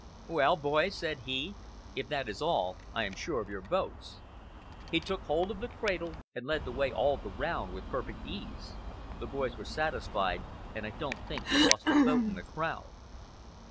'Well, boys,' said he, 'if that is all, I am sure of your votes.' He took hold of the cradle and led the way all the round with perfect ease. The boys were satisfied, and I don't think he lost a vote in the crowd."